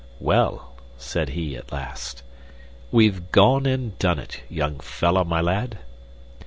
"Well," said he, at last, "we've gone and done it, young fellah my lad."